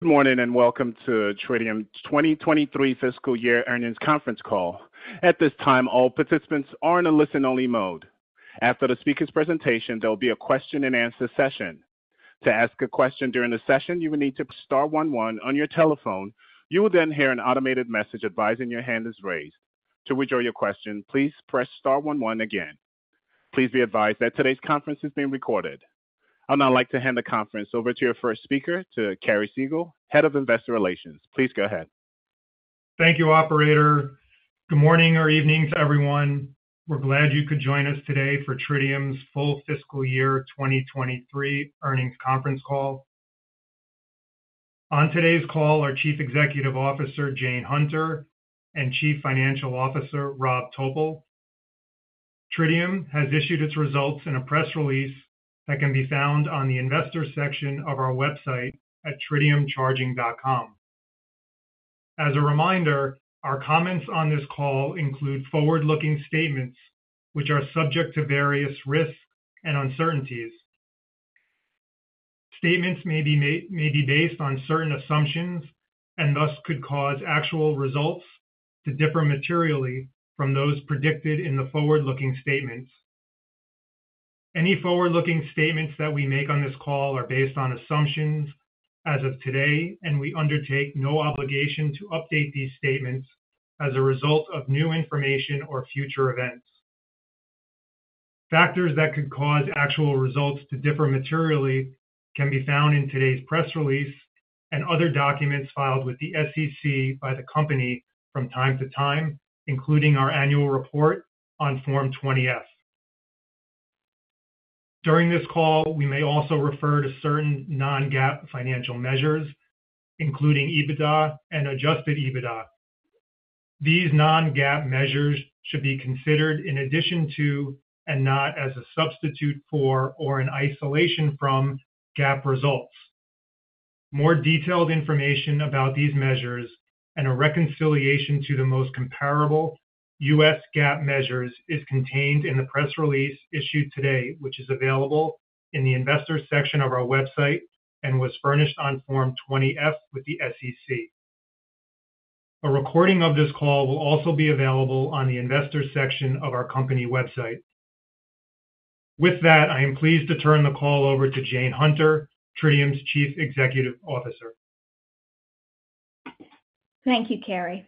Good morning, and welcome to Tritium's 2023 Fiscal Year Earnings Conference Call. At this time, all participants are in a listen-only mode. After the speaker's presentation, there will be a question-and-answer session. To ask a question during the session, you will need to star one one on your telephone. You will then hear an automated message advising your hand is raised. To withdraw your question, please press star one one again. Please be advised that today's conference is being recorded. I'd now like to hand the conference over to your first speaker, to Cary Segall, Head of Investor Relations. Please go ahead. Thank you, operator. Good morning or evening to everyone. We're glad you could join us today for Tritium's full fiscal year 2023 earnings conference call. On today's call are Chief Executive Officer, Jane Hunter, and Chief Financial Officer, Rob Topol. Tritium has issued its results in a press release that can be found on the investor section of our website at tritiumcharging.com. As a reminder, our comments on this call include forward-looking statements, which are subject to various risks and uncertainties. Statements may be based on certain assumptions, and thus could cause actual results to differ materially from those predicted in the forward-looking statements. Any forward-looking statements that we make on this call are based on assumptions as of today, and we undertake no obligation to update these statements as a result of new information or future events. Factors that could cause actual results to differ materially can be found in today's press release and other documents filed with the SEC by the company from time to time, including our annual report on Form 20-F. During this call, we may also refer to certain non-GAAP financial measures, including EBITDA and adjusted EBITDA. These non-GAAP measures should be considered in addition to, and not as a substitute for or an isolation from, GAAP results. More detailed information about these measures and a reconciliation to the most comparable U.S. GAAP measures is contained in the press release issued today, which is available in the investors section of our website and was furnished on Form 20-F with the SEC. A recording of this call will also be available on the investors section of our company website. With that, I am pleased to turn the call over to Jane Hunter, Tritium's Chief Executive Officer. Thank you, Cary.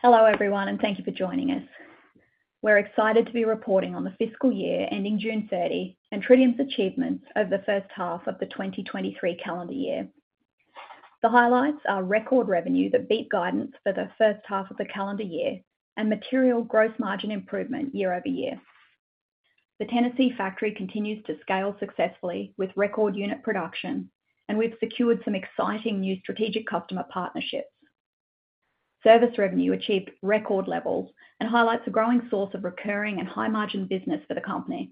Hello, everyone, and thank you for joining us. We're excited to be reporting on the fiscal year ending June 30, and Tritium's achievements over the first half of the 2023 calendar year. The highlights are record revenue that beat guidance for the first half of the calendar year, and material gross margin improvement year-over-year. The Tennessee factory continues to scale successfully with record unit production, and we've secured some exciting new strategic customer partnerships. Service revenue achieved record levels and highlights a growing source of recurring and high-margin business for the company.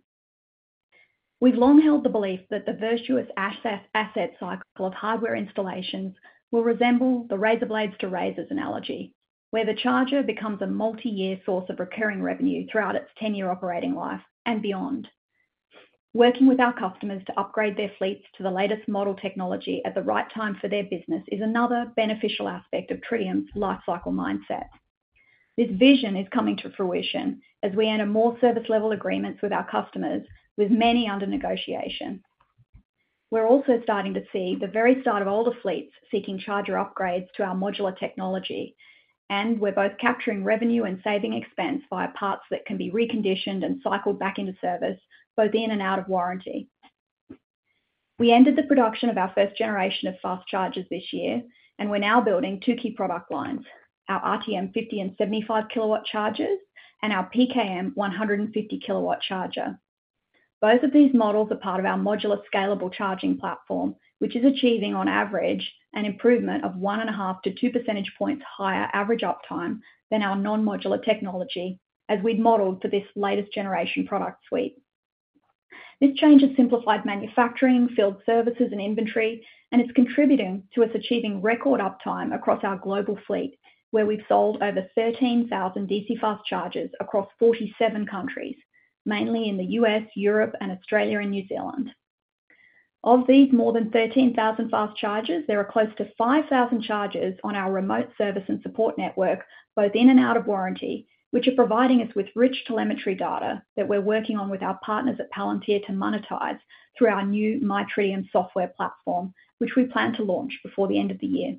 We've long held the belief that the virtuous asset, asset cycle of hardware installations will resemble the razor blades to razors analogy, where the charger becomes a multi-year source of recurring revenue throughout its 10-year operating life and beyond. Working with our customers to upgrade their fleets to the latest model technology at the right time for their business is another beneficial aspect of Tritium's lifecycle mindset. This vision is coming to fruition as we enter more service level agreements with our customers, with many under negotiation. We're also starting to see the very start of older fleets seeking charger upgrades to our modular technology, and we're both capturing revenue and saving expense via parts that can be reconditioned and cycled back into service, both in and out of warranty. We ended the production of our first generation of fast chargers this year, and we're now building two key product lines: our RTM50 kW and RTM75 kW chargers and our PKM150 kW charger. Both of these models are part of our modular, scalable charging platform, which is achieving, on average, an improvement of 1.5 percentage points-2 percentage points higher average uptime than our non-modular technology, as we'd modeled for this latest generation product suite. This change has simplified manufacturing, field services, and inventory, and it's contributing to us achieving record uptime across our global fleet, where we've sold over 13,000 DC fast chargers across 47 countries, mainly in the U.S., Europe, and Australia and New Zealand. Of these more than 13,000 fast chargers, there are close to 5,000 chargers on our remote service and support network, both in and out of warranty, which are providing us with rich telemetry data that we're working on with our partners at Palantir to monetize through our new MyTritium software platform, which we plan to launch before the end of the year.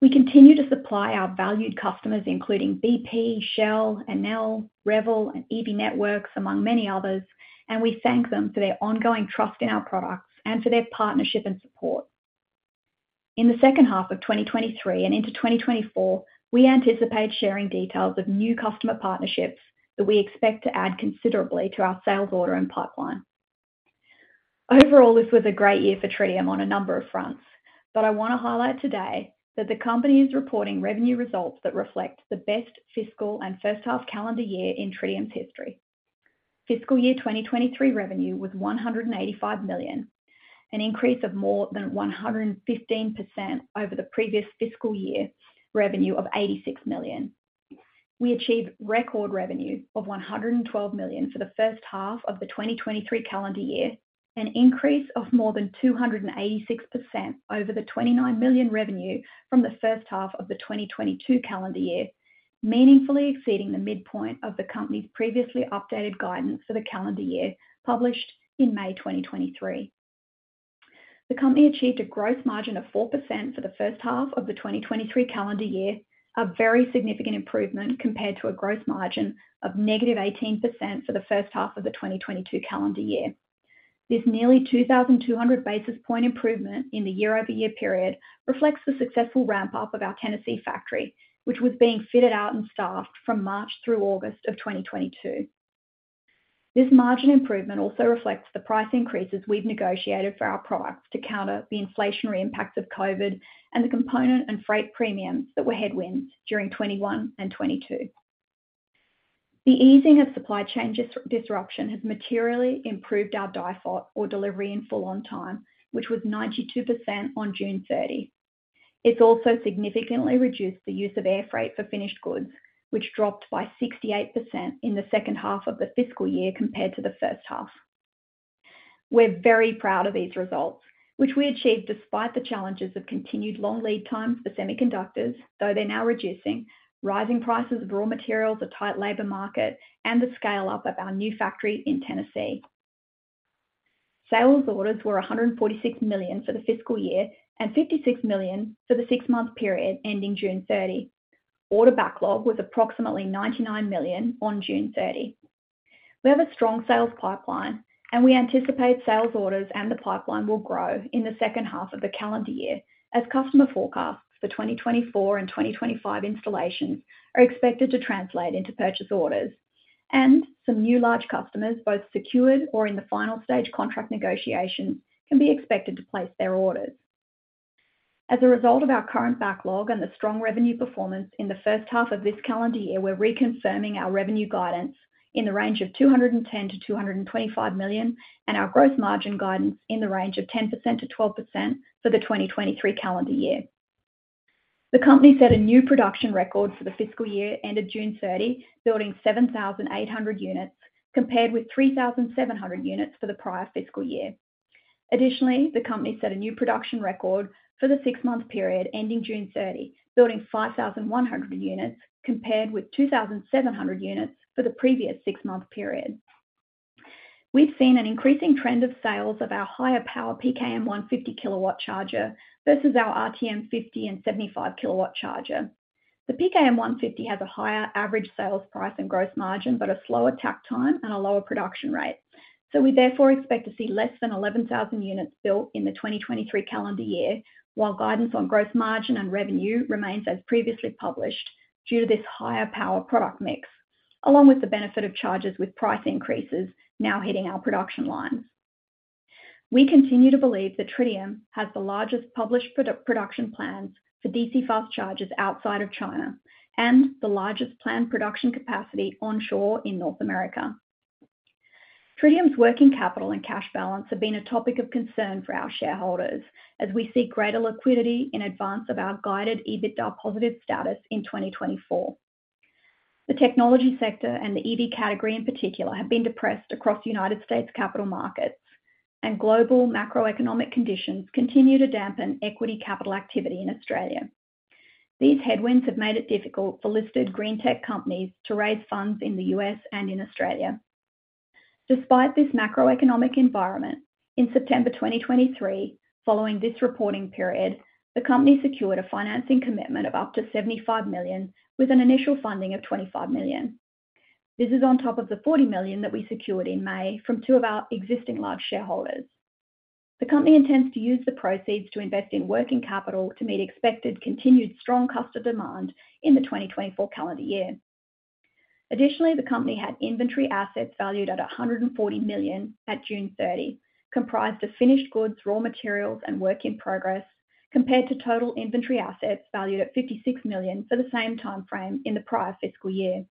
We continue to supply our valued customers, including BP, Shell, Enel X, Revel, and Evie Networks, among many others, and we thank them for their ongoing trust in our products and for their partnership and support. In the second half of 2023 and into 2024, we anticipate sharing details of new customer partnerships that we expect to add considerably to our sales order and pipeline. Overall, this was a great year for Tritium on a number of fronts, but I want to highlight today that the company is reporting revenue results that reflect the best fiscal and first half calendar year in Tritium's history. Fiscal year 2023 revenue was $185 million, an increase of more than 115% over the previous fiscal year, revenue of $86 million. We achieved record revenue of $112 million for the first half of the 2023 calendar year, an increase of more than 286% over the $29 million revenue from the first half of the 2022 calendar year, meaningfully exceeding the midpoint of the company's previously updated guidance for the calendar year, published in May 2023. The company achieved a gross margin of 4% for the first half of the 2023 calendar year, a very significant improvement compared to a gross margin of -18% for the first half of the 2022 calendar year. This nearly 2,200 basis point improvement in the year-over-year period reflects the successful ramp-up of our Tennessee factory, which was being fitted out and staffed from March through August of 2022. This margin improvement also reflects the price increases we've negotiated for our products to counter the inflationary impacts of COVID and the component and freight premiums that were headwinds during 2021 and 2022. The easing of supply chain disruption has materially improved our DIFOT, or delivery in full on time, which was 92% on June 30. It's also significantly reduced the use of air freight for finished goods, which dropped by 68% in the second half of the fiscal year compared to the first half. We're very proud of these results, which we achieved despite the challenges of continued long lead times for semiconductors, though they're now reducing, rising prices of raw materials, a tight labor market, and the scale-up of our new factory in Tennessee. Sales orders were $146 million for the fiscal year and $56 million for the six-month period ending June 30. Order backlog was approximately $99 million on June 30. We have a strong sales pipeline, and we anticipate sales orders and the pipeline will grow in the second half of the calendar year, as customer forecasts for 2024 and 2025 installations are expected to translate into purchase orders. Some new large customers, both secured or in the final stage contract negotiations, can be expected to place their orders. As a result of our current backlog and the strong revenue performance in the first half of this calendar year, we're reconfirming our revenue guidance in the range of $210 million-$225 million, and our growth margin guidance in the range of 10%-12% for the 2023 calendar year. The company set a new production record for the fiscal year ended June 30, building 7,800 units, compared with 3,700 units for the prior fiscal year. Additionally, the company set a new production record for the six-month period ending June 30, building 5,100 units, compared with 2,700 units for the previous six-month period. We've seen an increasing trend of sales of our higher power PKM150 kW charger versus our RTM50 kW and RTM75 kW charger. The PKM150 has a higher average sales price and gross margin, but a slower Takt time and a lower production rate. So we therefore expect to see less than 11,000 units built in the 2023 calendar year, while guidance on gross margin and revenue remains as previously published due to this higher power product mix, along with the benefit of chargers with price increases now hitting our production lines. We continue to believe that Tritium has the largest published production plans for DC fast chargers outside of China and the largest planned production capacity onshore in North America. Tritium's working capital and cash balance have been a topic of concern for our shareholders as we seek greater liquidity in advance of our guided EBITDA positive status in 2024. The technology sector and the EV category in particular, have been depressed across the United States capital markets, and global macroeconomic conditions continue to dampen equity capital activity in Australia. These headwinds have made it difficult for listed green tech companies to raise funds in the U.S. and in Australia. Despite this macroeconomic environment, in September 2023, following this reporting period, the company secured a financing commitment of up to $75 million, with an initial funding of $25 million. This is on top of the $40 million that we secured in May from two of our existing large shareholders. The company intends to use the proceeds to invest in working capital to meet expected continued strong customer demand in the 2024 calendar year. Additionally, the company had inventory assets valued at $140 million at June 30, comprised of finished goods, raw materials, and work in progress, compared to total inventory assets valued at $56 million for the same time frame in the prior fiscal year.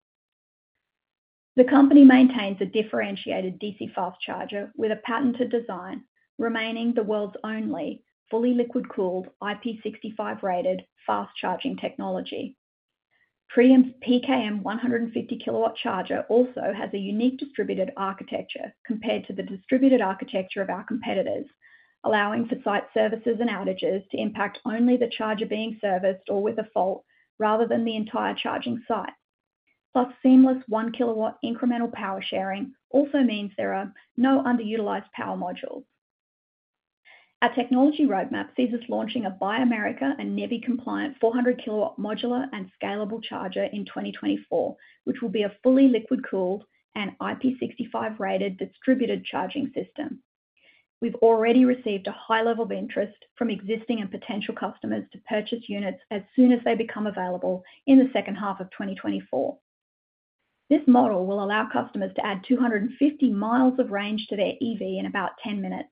The company maintains a differentiated DC fast charger with a patented design, remaining the world's only fully liquid-cooled IP65-rated fast charging technology. Tritium's PKM150 kW charger also has a unique distributed architecture compared to the distributed architecture of our competitors, allowing for site services and outages to impact only the charger being serviced or with a fault, rather than the entire charging site. Plus, seamless 1 kW incremental power sharing also means there are no underutilized power modules. Our technology roadmap sees us launching a Buy America and NEVI-compliant 400 kW modular and scalable charger in 2024, which will be a fully liquid-cooled and IP65-rated distributed charging system. We've already received a high level of interest from existing and potential customers to purchase units as soon as they become available in the second half of 2024. This model will allow customers to add 250 mi of range to their EV in about 10 minutes,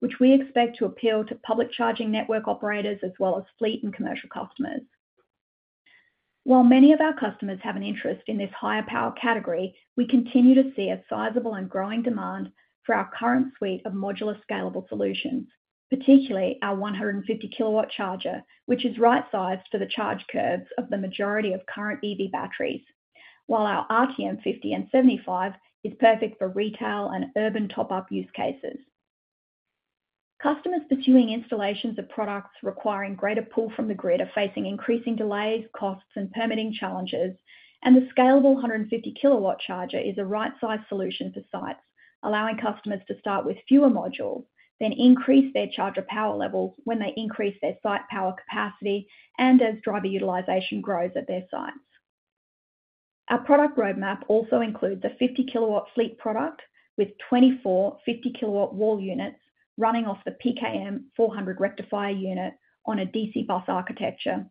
which we expect to appeal to public charging network operators, as well as fleet and commercial customers. While many of our customers have an interest in this higher power category, we continue to see a sizable and growing demand for our current suite of modular, scalable solutions, particularly our PKM150 kW charger, which is right-sized for the charge curves of the majority of current EV batteries… while our RTM50 and RTM75 is perfect for retail and urban top-up use cases. Customers pursuing installations of products requiring greater pull from the grid are facing increasing delays, costs, and permitting challenges, and the scalable PKM150 kW charger is a right-size solution for sites, allowing customers to start with fewer modules, then increase their charger power level when they increase their site power capacity and as driver utilization grows at their sites. Our product roadmap also includes a 50 kW fleet product with 24 50 kW wall units running off the PKM400 rectifier unit on a DC bus architecture,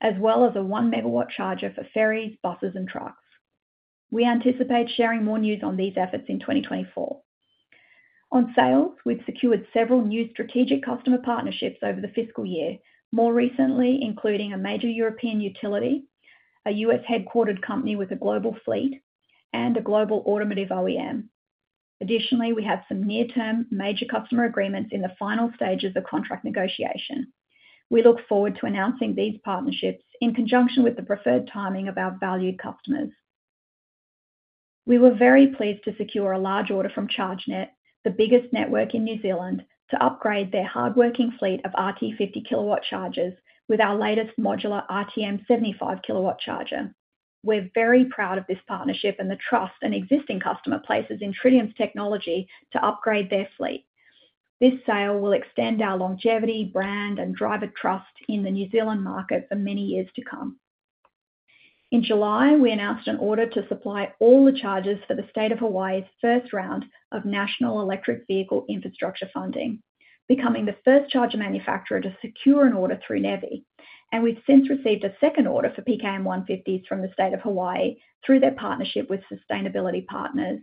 as well as a 1 MW charger for ferries, buses, and trucks. We anticipate sharing more news on these efforts in 2024. On sales, we've secured several new strategic customer partnerships over the fiscal year. More recently, including a major European utility, a U.S.-headquartered company with a global fleet, and a global automotive OEM. Additionally, we have some near-term major customer agreements in the final stages of contract negotiation. We look forward to announcing these partnerships in conjunction with the preferred timing of our valued customers. We were very pleased to secure a large order from ChargeNet, the biggest network in New Zealand, to upgrade their hardworking fleet of RTM50 kW chargers with our latest modular RTM75 kW charger. We're very proud of this partnership and the trust an existing customer places in Tritium's technology to upgrade their fleet. This sale will extend our longevity, brand, and driver trust in the New Zealand market for many years to come. In July, we announced an order to supply all the chargers for the State of Hawaii's first round of National Electric Vehicle Infrastructure funding, becoming the first charger manufacturer to secure an order through NEVI. And we've since received a second order for PKM150 from the State of Hawaii through their partnership with Sustainability Partners.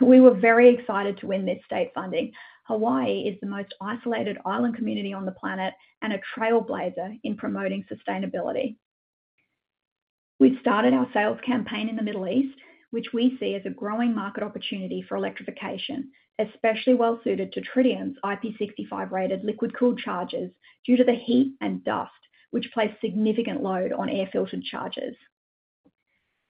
We were very excited to win this state funding. Hawaii is the most isolated island community on the planet and a trailblazer in promoting sustainability. We've started our sales campaign in the Middle East, which we see as a growing market opportunity for electrification, especially well-suited to Tritium's IP65-rated liquid-cooled chargers due to the heat and dust, which place significant load on air-filtered chargers.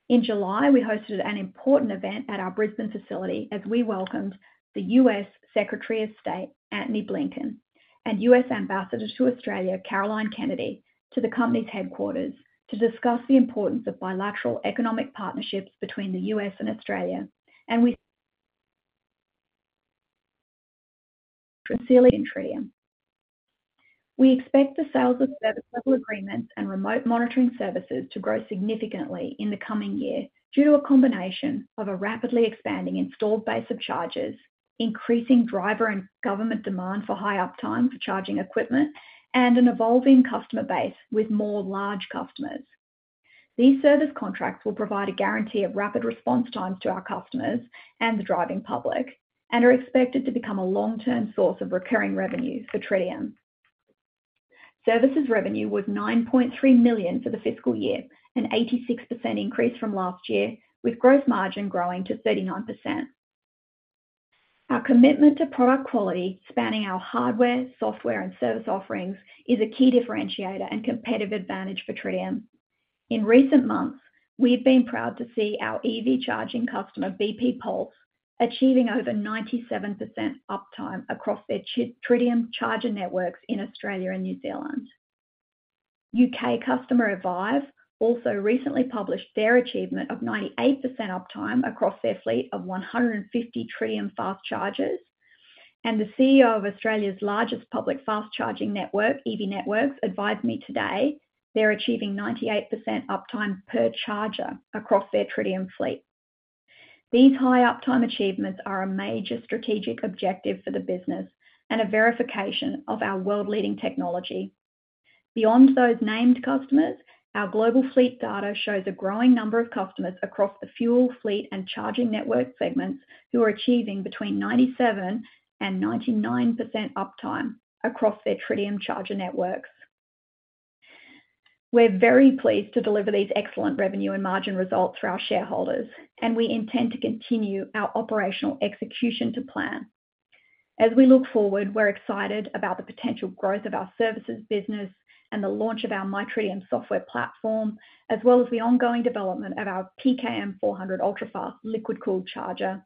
In July, we hosted an important event at our Brisbane facility as we welcomed the U.S. Secretary of State, Antony Blinken, and U.S. Ambassador to Australia, Caroline Kennedy, to the company's headquarters to discuss the importance of bilateral economic partnerships between the U.S. and Australia, and Tritium. We expect the sales of service-level agreements and remote monitoring services to grow significantly in the coming year due to a combination of a rapidly expanding installed base of chargers, increasing driver and government demand for high uptime for charging equipment, and an evolving customer base with more large customers. These service contracts will provide a guarantee of rapid response times to our customers and the driving public and are expected to become a long-term source of recurring revenue for Tritium. Services revenue was $9.3 million for the fiscal year, an 86% increase from last year, with gross margin growing to 39%. Our commitment to product quality, spanning our hardware, software, and service offerings, is a key differentiator and competitive advantage for Tritium. In recent months, we've been proud to see our EV charging customer, BP Pulse, achieving over 97% uptime across their Tritium charger networks in Australia and New Zealand. UK customer, Evyve, also recently published their achievement of 98% uptime across their fleet of 150 Tritium fast chargers, and the CEO of Australia's largest public fast charging network, Evie Networks, advised me today they're achieving 98% uptime per charger across their Tritium fleet. These high uptime achievements are a major strategic objective for the business and a verification of our world-leading technology. Beyond those named customers, our global fleet data shows a growing number of customers across the fuel, fleet, and charging network segments who are achieving between 97% and 99% uptime across their Tritium charger networks. We're very pleased to deliver these excellent revenue and margin results for our shareholders, and we intend to continue our operational execution to plan. As we look forward, we're excited about the potential growth of our services business and the launch of our MyTritium software platform, as well as the ongoing development of our PKM400 ultra-fast liquid-cooled charger,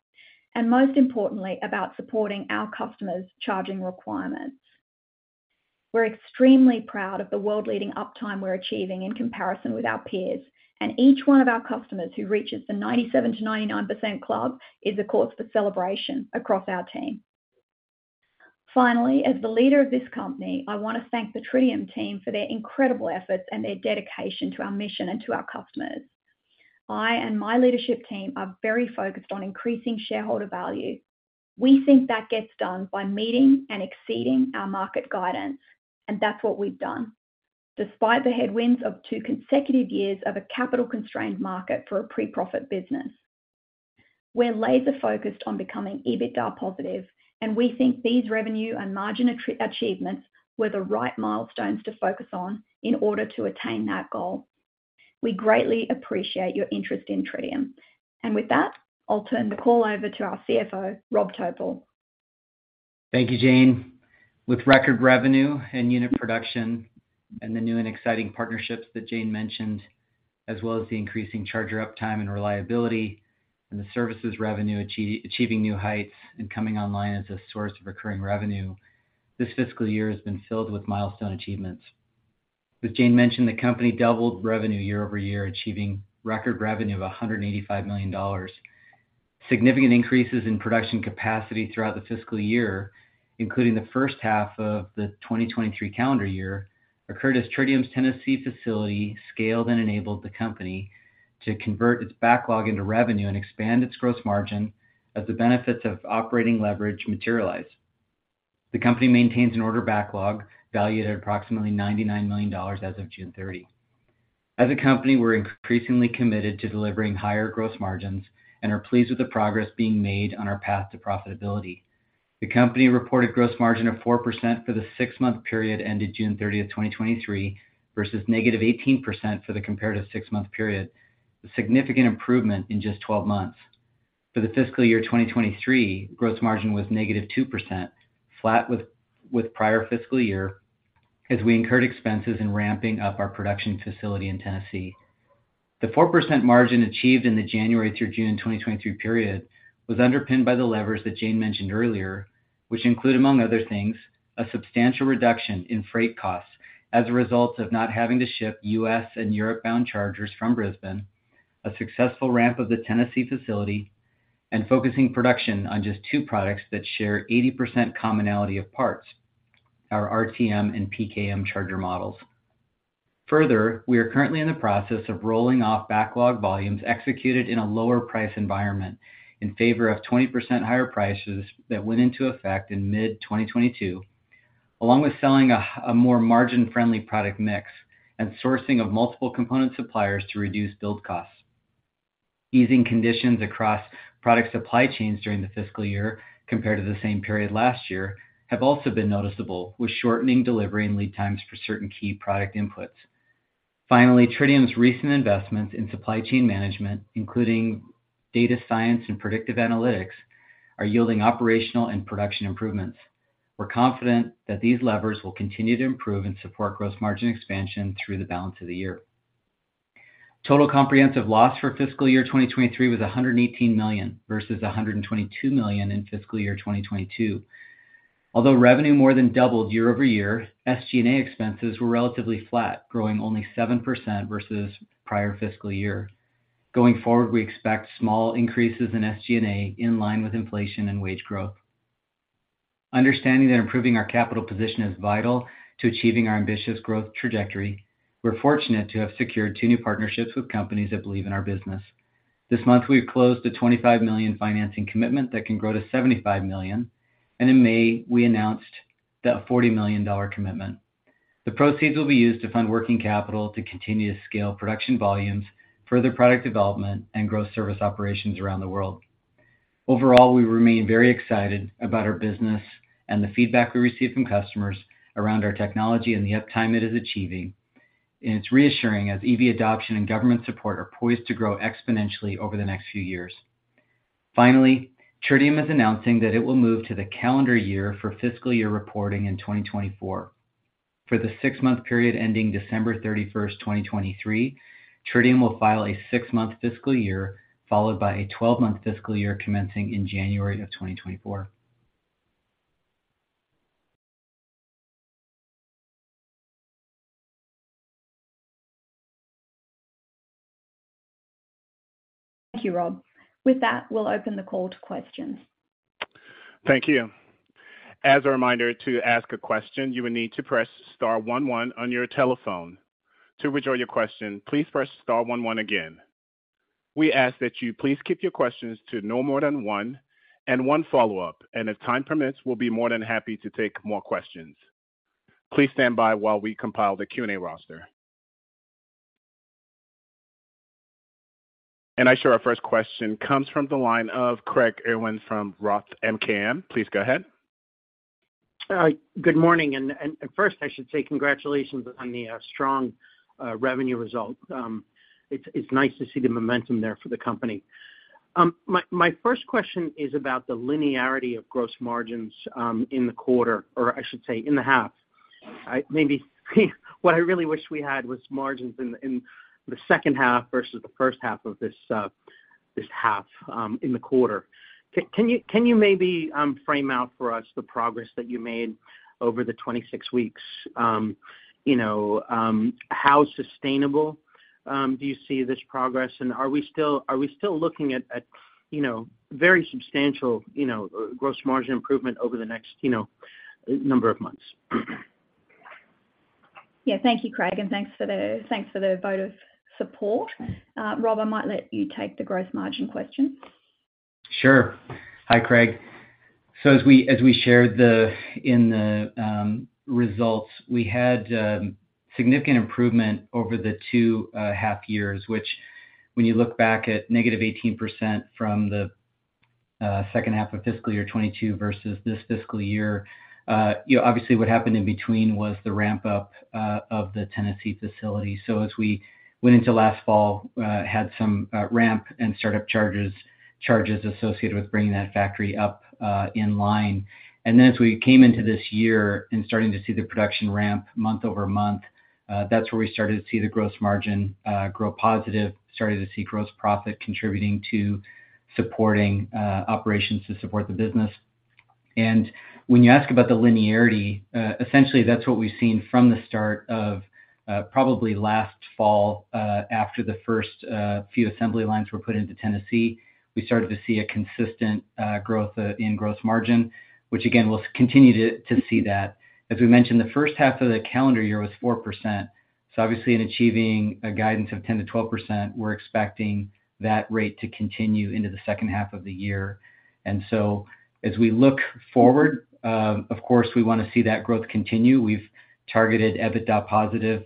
and most importantly, about supporting our customers' charging requirements. We're extremely proud of the world-leading uptime we're achieving in comparison with our peers, and each one of our customers who reaches the 97%-99% club is a cause for celebration across our team. Finally, as the leader of this company, I want to thank the Tritium team for their incredible efforts and their dedication to our mission and to our customers. I and my leadership team are very focused on increasing shareholder value. We think that gets done by meeting and exceeding our market guidance, and that's what we've done, despite the headwinds of two consecutive years of a capital-constrained market for a pre-profit business. We're laser-focused on becoming EBITDA positive, and we think these revenue and margin achievements were the right milestones to focus on in order to attain that goal. We greatly appreciate your interest in Tritium. And with that, I'll turn the call over to our CFO, Rob Topol. Thank you, Jane. With record revenue and unit production and the new and exciting partnerships that Jane mentioned, as well as the increasing charger uptime and reliability, and the services revenue achieving new heights and coming online as a source of recurring revenue, this fiscal year has been filled with milestone achievements. As Jane mentioned, the company doubled revenue year-over-year, achieving record revenue of $185 million. Significant increases in production capacity throughout the fiscal year, including the first half of the 2023 calendar year, occurred as Tritium's Tennessee facility scaled and enabled the company to convert its backlog into revenue and expand its gross margin as the benefits of operating leverage materialize. The company maintains an order backlog valued at approximately $99 million as of June 30. As a company, we're increasingly committed to delivering higher gross margins and are pleased with the progress being made on our path to profitability. The company reported gross margin of 4% for the six-month period ended June 30, 2023, versus -18% for the comparative six-month period, a significant improvement in just 12 months. For the fiscal year 2023, gross margin was -2%, flat with prior fiscal year, as we incurred expenses in ramping up our production facility in Tennessee. The 4% margin achieved in the January through June 2023 period was underpinned by the levers that Jane mentioned earlier, which include, among other things, a substantial reduction in freight costs as a result of not having to ship U.S.-bound and Europe-bound chargers from Brisbane, a successful ramp of the Tennessee facility, and focusing production on just two products that share 80% commonality of parts, our RTM and PKM charger models. Further, we are currently in the process of rolling off backlog volumes executed in a lower price environment in favor of 20% higher prices that went into effect in mid-2022, along with selling a more margin-friendly product mix and sourcing of multiple component suppliers to reduce build costs. Easing conditions across product supply chains during the fiscal year compared to the same period last year have also been noticeable, with shortening delivery and lead times for certain key product inputs. Finally, Tritium's recent investments in supply chain management, including data science and predictive analytics, are yielding operational and production improvements. We're confident that these levers will continue to improve and support gross margin expansion through the balance of the year. Total comprehensive loss for fiscal year 2023 was $118 million, versus $122 million in fiscal year 2022. Although revenue more than doubled year-over-year, SG&A expenses were relatively flat, growing only 7% versus prior fiscal year. Going forward, we expect small increases in SG&A in line with inflation and wage growth. Understanding that improving our capital position is vital to achieving our ambitious growth trajectory, we're fortunate to have secured two new partnerships with companies that believe in our business. This month, we've closed a $25 million financing commitment that can grow to $75 million, and in May, we announced that $40 million commitment. The proceeds will be used to fund working capital to continue to scale production volumes, further product development, and grow service operations around the world. Overall, we remain very excited about our business and the feedback we receive from customers around our technology and the uptime it is achieving. It's reassuring as EV adoption and government support are poised to grow exponentially over the next few years. Finally, Tritium is announcing that it will move to the calendar year for fiscal year reporting in 2024. For the six-month period ending December 31, 2023, Tritium will file a six-month fiscal year, followed by a 12-month fiscal year commencing in January 2024. Thank you, Rob. With that, we'll open the call to questions. Thank you. As a reminder, to ask a question, you will need to press star one one on your telephone. To withdraw your question, please press star one one again. We ask that you please keep your questions to no more than one and one follow-up, and if time permits, we'll be more than happy to take more questions. Please stand by while we compile the Q&A roster. I show our first question comes from the line of Craig Irwin from Roth MKM. Please go ahead. Good morning. First, I should say congratulations on the strong revenue result. It's nice to see the momentum there for the company. My first question is about the linearity of gross margins in the quarter, or I should say, in the half. Maybe what I really wish we had was margins in the second half versus the first half of this half, in the quarter. Can you maybe frame out for us the progress that you made over the 26 weeks? You know, how sustainable do you see this progress? And are we still looking at, you know, very substantial, you know, gross margin improvement over the next, you know, number of months? Yeah. Thank you, Craig, and thanks for the, thanks for the vote of support. Rob, I might let you take the gross margin question. Sure. Hi, Craig. So as we shared in the results, we had significant improvement over the two half years, which when you look back at -18% from the second half of fiscal year 2022 versus this fiscal year, you know, obviously what happened in between was the ramp-up of the Tennessee facility. So as we went into last fall, had some ramp and startup charges associated with bringing that factory up in line. And then as we came into this year and starting to see the production ramp month-over-month, that's where we started to see the gross margin grow positive, started to see gross profit contributing to supporting operations to support the business. When you ask about the linearity, essentially, that's what we've seen from the start of, probably last fall, after the first few assembly lines were put into Tennessee. We started to see a consistent growth in gross margin, which, again, we'll continue to see that. As we mentioned, the first half of the calendar year was 4%. So obviously, in achieving a guidance of 10%-12%, we're expecting that rate to continue into the second half of the year. And so as we look forward, of course, we wanna see that growth continue. We've targeted EBITDA positive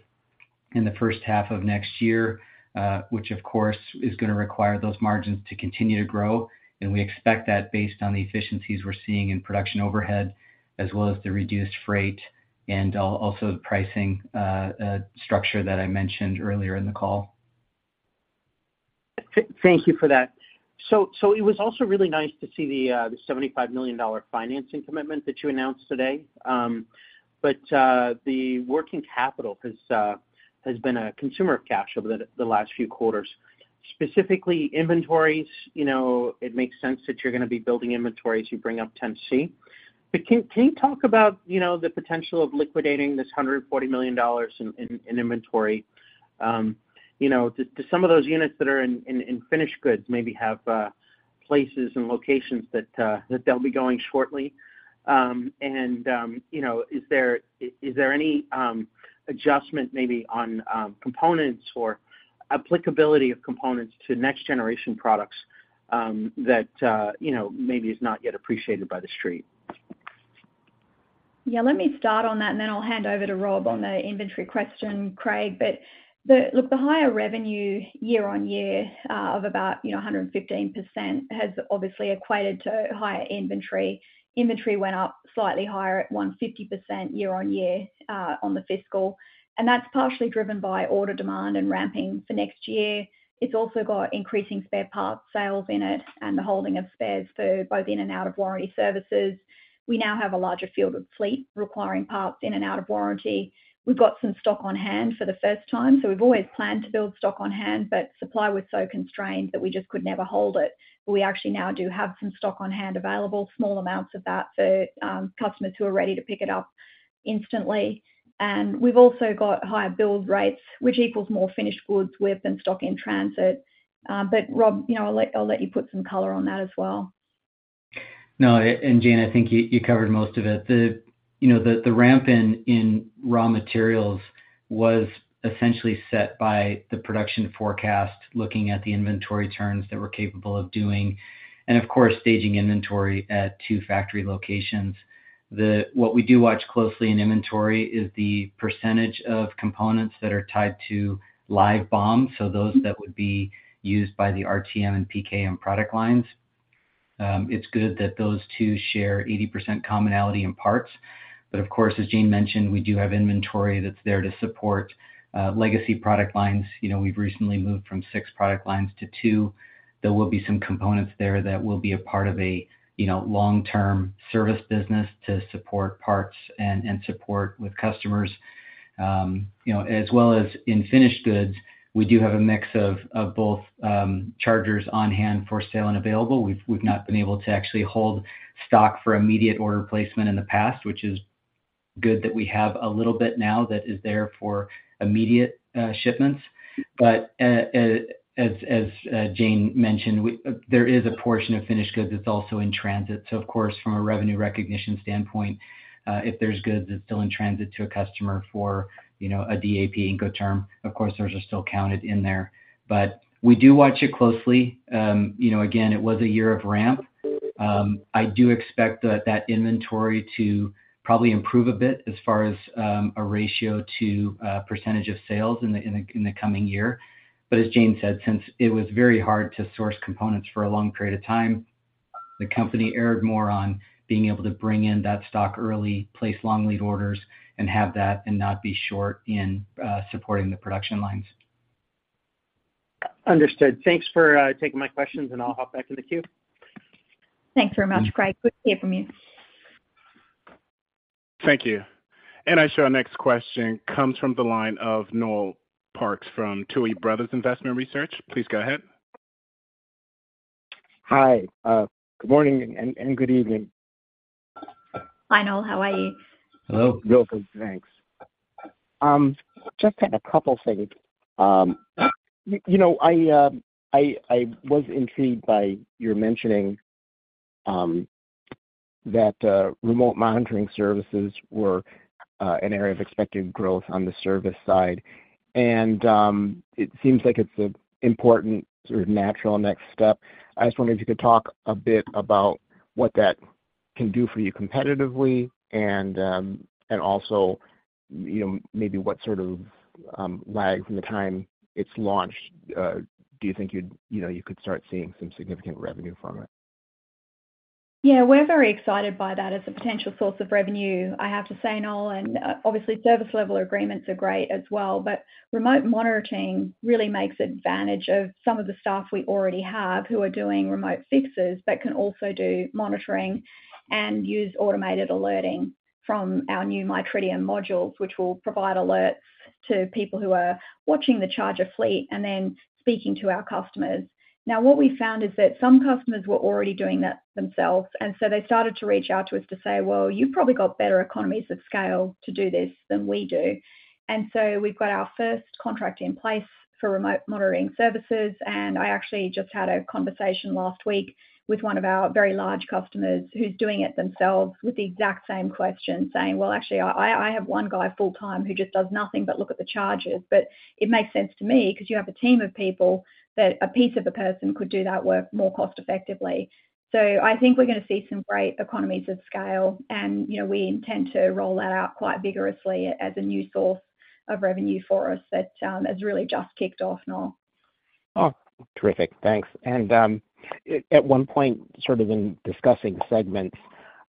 in the first half of next year, which, of course, is gonna require those margins to continue to grow, and we expect that based on the efficiencies we're seeing in production overhead, as well as the reduced freight and also the pricing structure that I mentioned earlier in the call. Thank you for that. So it was also really nice to see the $75 million financing commitment that you announced today. But the working capital has been a consumer of cash over the last few quarters, specifically inventories. You know, it makes sense that you're gonna be building inventories as you bring up Tennessee. But can you talk about, you know, the potential of liquidating this $140 million in inventory? You know, do some of those units that are in finished goods maybe have places and locations that they'll be going shortly? You know, is there any adjustment maybe on components or applicability of components to next generation products that you know, maybe is not yet appreciated by the Street? Yeah, let me start on that, and then I'll hand over to Rob on the inventory question, Craig. But look, the higher revenue year-on-year of about, you know, 115%, has obviously equated to higher inventory. Inventory went up slightly higher at 150% year-on-year on the fiscal, and that's partially driven by order demand and ramping for next year. It's also got increasing spare parts sales in it and the holding of spares for both in and out of warranty services. We now have a larger field of fleet requiring parts in and out of warranty. We've got some stock on hand for the first time, so we've always planned to build stock on hand, but supply was so constrained that we just could never hold it. But we actually now do have some stock on hand available, small amounts of that, for customers who are ready to pick it up instantly. And we've also got higher build rates, which equals more finished goods with than stock in transit. But Rob, you know, I'll let you put some color on that as well. No, Jane, I think you covered most of it. The ramp in raw materials was essentially set by the production forecast, looking at the inventory turns that we're capable of doing, and of course, staging inventory at two factory locations. What we do watch closely in inventory is the percentage of components that are tied to live BOM, so those that would be used by the RTM and PKM product lines. It's good that those two share 80% commonality in parts, but of course, as Jane mentioned, we do have inventory that's there to support legacy product lines. You know, we've recently moved from six product lines to two. There will be some components there that will be a part of a long-term service business to support parts and support with customers. You know, as well as in finished goods, we do have a mix of both chargers on hand for sale and available. We've not been able to actually hold stock for immediate order placement in the past, which is good that we have a little bit now that is there for immediate shipments. But as Jane mentioned, there is a portion of finished goods that's also in transit. So of course, from a revenue recognition standpoint, if there's goods that's still in transit to a customer for, you know, a DAP Incoterm, of course, those are still counted in there. But we do watch it closely. You know, again, it was a year of ramp. I do expect that, that inventory to probably improve a bit as far as, a ratio to, percentage of sales in the, in the, in the coming year. But as Jane said, since it was very hard to source components for a long period of time, the company erred more on being able to bring in that stock early, place long lead orders, and have that and not be short in, supporting the production lines. Understood. Thanks for taking my questions, and I'll hop back in the queue. Thanks very much, Craig. Good to hear from you. Thank you. I show our next question comes from the line of Noel Parks from Tuohy Brothers Investment Research. Please go ahead. Hi, good morning and good evening. Hi, Noel. How are you? Hello. Real good, thanks. Just had a couple things. You know, I was intrigued by your mentioning that remote monitoring services were an area of expected growth on the service side, and it seems like it's an important sort of natural next step. I just wondered if you could talk a bit about what that can do for you competitively and also, you know, maybe what sort of lag from the time it's launched, do you think you'd, you know, you could start seeing some significant revenue from it? ... Yeah, we're very excited by that as a potential source of revenue. I have to say, Noel, and obviously, service-level agreements are great as well, but remote monitoring really takes advantage of some of the staff we already have, who are doing remote fixes, but can also do monitoring and use automated alerting from our new MyTritium modules, which will provide alerts to people who are watching the charger fleet and then speaking to our customers. Now, what we found is that some customers were already doing that themselves, and so they started to reach out to us to say, "Well, you've probably got better economies of scale to do this than we do." And so we've got our first contract in place for remote monitoring services. I actually just had a conversation last week with one of our very large customers who's doing it themselves with the exact same question, saying, "Well, actually, I have one guy full-time who just does nothing but look at the charges. But it makes sense to me because you have a team of people that a piece of a person could do that work more cost-effectively." So I think we're going to see some great economies of scale, and, you know, we intend to roll that out quite vigorously as a new source of revenue for us that has really just kicked off, Noel. Oh, terrific. Thanks. At one point, sort of in discussing segments,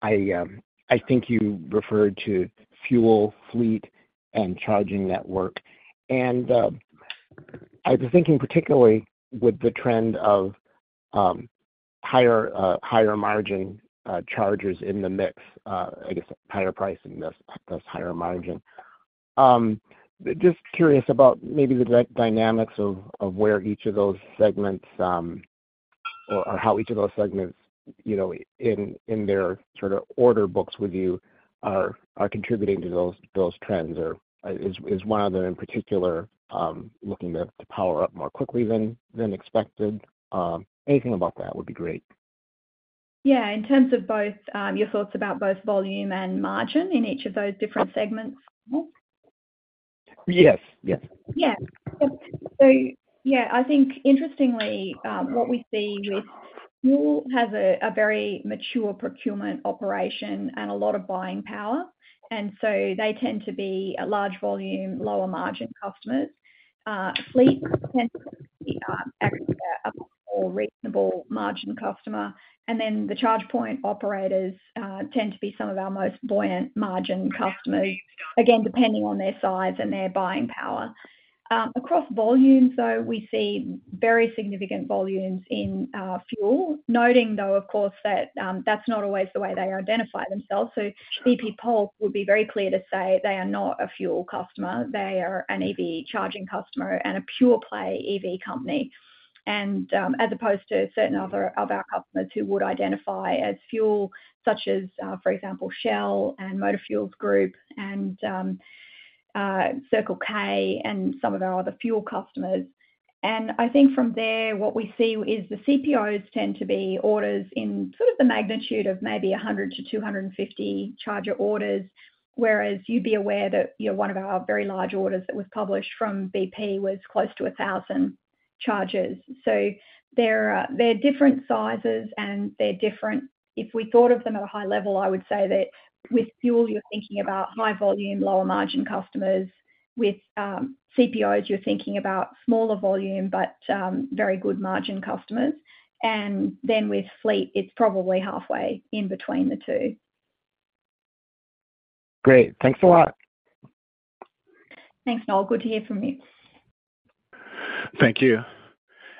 I think you referred to fuel, fleet, and charging network. I was thinking particularly with the trend of higher margin chargers in the mix, I guess higher pricing, thus higher margin. Just curious about maybe the dynamics of where each of those segments, or how each of those segments, you know, in their sort of order books with you are contributing to those trends, or is one of them in particular looking to power up more quickly than expected? Anything about that would be great. Yeah, in terms of both, your thoughts about both volume and margin in each of those different segments, Noel? Yes, yes. Yeah. So yeah, I think interestingly, what we see with fuel has a very mature procurement operation and a lot of buying power, and so they tend to be a large volume, lower-margin customers. Fleet tends to be a more reasonable margin customer, and then the charge point operators tend to be some of our most buoyant margin customers, again, depending on their size and their buying power. Across volumes, though, we see very significant volumes in fuel. Noting, though, of course, that that's not always the way they identify themselves. So BP Pulse would be very clear to say they are not a fuel customer, they are an EV charging customer and a pure-play EV company. As opposed to certain other of our customers who would identify as fuel, such as, for example, Shell and Motor Fuel Group and Circle K and some of our other fuel customers. And I think from there, what we see is the CPOs tend to be orders in sort of the magnitude of maybe 100-250 charger orders, whereas you'd be aware that, you know, one of our very large orders that was published from BP Pulse was close to 1,000 chargers. So they're, they're different sizes, and they're different. If we thought of them at a high level, I would say that with fuel, you're thinking about high volume, lower-margin customers. With CPOs, you're thinking about smaller volume, but very good margin customers. And then with fleet, it's probably halfway in between the two. Great. Thanks a lot. Thanks, Noel. Good to hear from you. Thank you.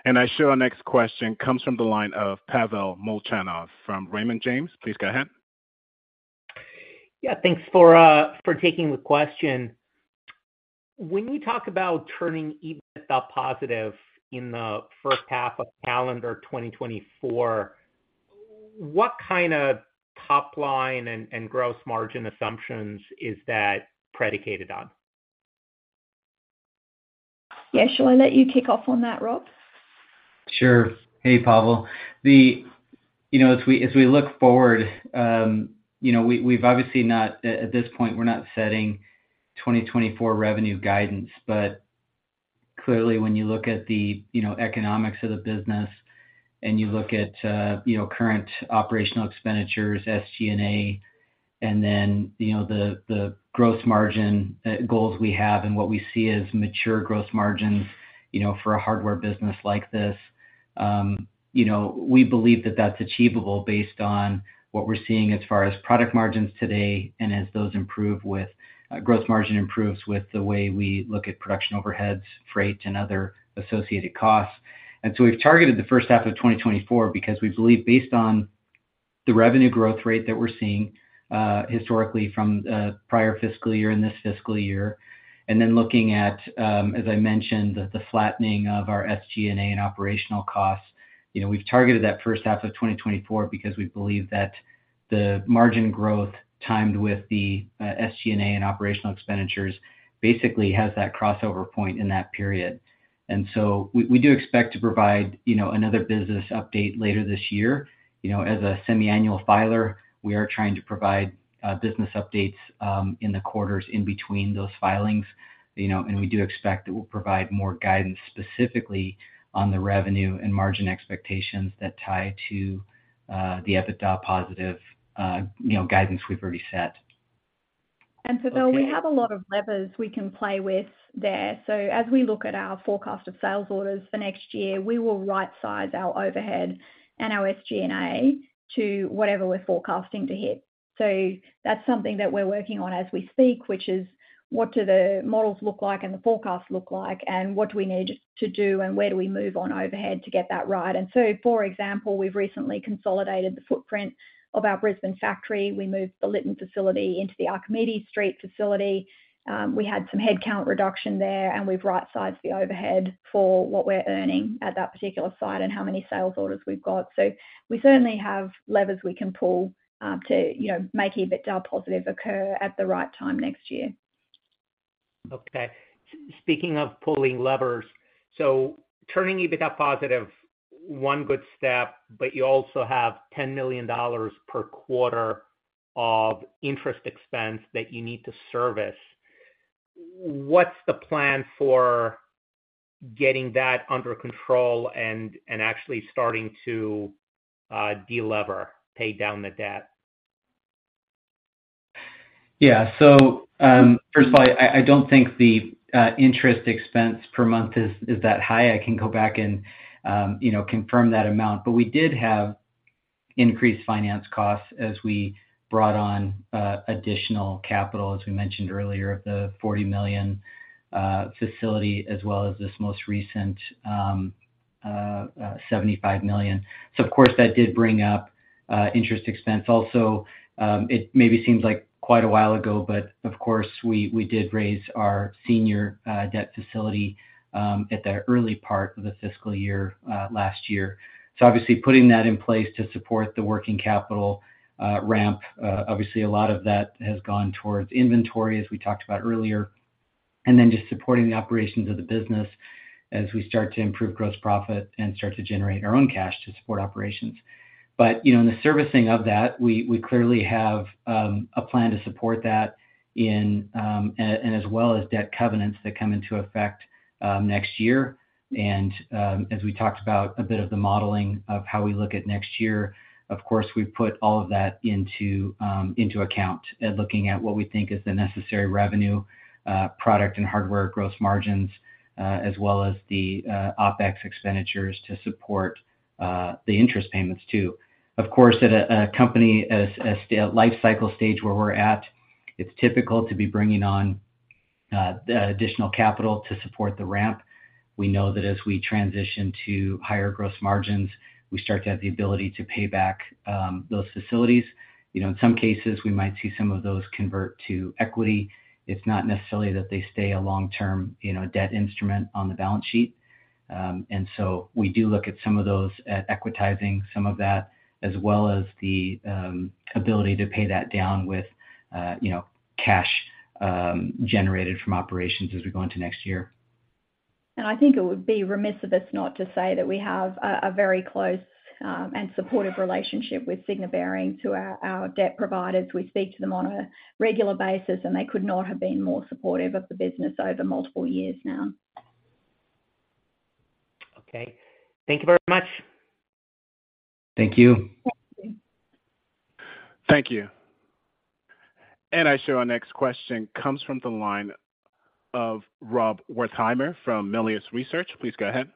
And I show our next question comes from the line of Pavel Molchanov from Raymond James. Please go ahead. Yeah, thanks for taking the question. When you talk about turning EBITDA positive in the first half of calendar 2024, what kind of top line and gross margin assumptions is that predicated on? Yeah, shall I let you kick off on that, Rob? Sure. Hey, Pavel. You know, as we look forward, you know, we, we've obviously not, at this point, we're not setting 2024 revenue guidance, but clearly, when you look at the, you know, economics of the business, and you look at, you know, current operational expenditures, SG&A, and then, you know, the gross margin goals we have and what we see as mature gross margins, you know, for a hardware business like this. You know, we believe that that's achievable based on what we're seeing as far as product margins today and as those improve with, growth margin improves with the way we look at production overheads, freight, and other associated costs. We've targeted the first half of 2024 because we believe, based on the revenue growth rate that we're seeing, historically from prior fiscal year and this fiscal year, and then looking at, as I mentioned, the flattening of our SG&A and operational costs. You know, we've targeted that first half of 2024 because we believe that the margin growth timed with the SG&A and operational expenditures basically has that crossover point in that period. We do expect to provide, you know, another business update later this year. You know, as a semiannual filer, we are trying to provide business updates in the quarters in between those filings, you know, and we do expect that we'll provide more guidance specifically on the revenue and margin expectations that tie to the EBITDA positive, you know, guidance we've already set. And Pavel, we have a lot of levers we can play with there. So as we look at our forecast of sales orders for next year, we will rightsize our overhead and our SG&A to whatever we're forecasting to hit. So that's something that we're working on as we speak, which is what do the models look like and the forecast look like, and what do we need to do and where do we move on overhead to get that right? And so, for example, we've recently consolidated the footprint of our Brisbane factory. We moved the Lytton facility into the Archimedes Street facility. We had some headcount reduction there, and we've rightsized the overhead for what we're earning at that particular site and how many sales orders we've got. We certainly have levers we can pull, to, you know, making a bit EBITDA positive occur at the right time next year. Okay. Speaking of pulling levers, so turning EBITDA positive, one good step, but you also have $10 million per quarter of interest expense that you need to service. What's the plan for getting that under control and, and actually starting to, delever, pay down the debt? Yeah. First of all, I don't think the interest expense per month is that high. I can go back and, you know, confirm that amount. We did have increased finance costs as we brought on additional capital, as we mentioned earlier, of the $40 million facility, as well as this most recent $75 million. Of course, that did bring up interest expense. Also, it maybe seems like quite a while ago, but of course, we did raise our senior debt facility at the early part of the fiscal year last year. So obviously putting that in place to support the working capital, ramp, obviously a lot of that has gone towards inventory, as we talked about earlier, and then just supporting the operations of the business as we start to improve gross profit and start to generate our own cash to support operations. But, you know, in the servicing of that, we clearly have a plan to support that in, and as well as debt covenants that come into effect next year. And, as we talked about a bit of the modeling of how we look at next year, of course, we've put all of that into account, looking at what we think is the necessary revenue, product and hardware gross margins, as well as the OpEx expenditures to support the interest payments, too. Of course, at a company, as a life cycle stage where we're at, it's typical to be bringing on additional capital to support the ramp. We know that as we transition to higher gross margins, we start to have the ability to pay back those facilities. You know, in some cases, we might see some of those convert to equity. It's not necessarily that they stay a long-term, you know, debt instrument on the balance sheet. And so we do look at some of those, at equitizing some of that, as well as the ability to pay that down with, you know, cash generated from operations as we go into next year. I think it would be remiss of us not to say that we have a very close and supportive relationship with Cigna and Barings, our debt providers. We speak to them on a regular basis, and they could not have been more supportive of the business over multiple years now. Okay. Thank you very much. Thank you. Thank you. And I show our next question comes from the line of Rob Wertheimer from Melius Research. Please go ahead.